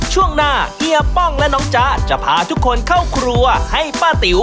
ช่วงหน้าเฮียป้องและน้องจ๊ะจะพาทุกคนเข้าครัวให้ป้าติ๋ว